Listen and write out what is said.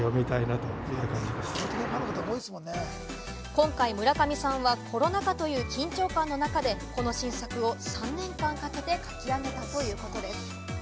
今回、村上さんはコロナ禍という緊張感の中でこの新作を３年間かけて書き上げたということです。